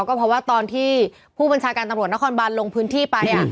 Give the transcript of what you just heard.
ก็เพราะว่าตอนที่ผู้บัญชาการตำรวจนครบานลงพื้นที่ไป